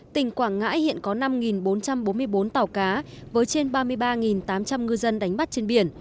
tỉnh quảng ngãi hiện có năm bốn trăm bốn mươi bốn tàu cá với trên ba mươi ba tám trăm linh ngư dân đánh bắt trên biển